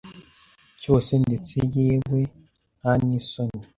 cyose ndetse yewe ntanisoni